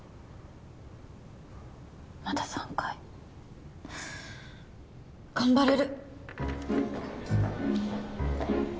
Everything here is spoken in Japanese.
まだ３回頑張れる！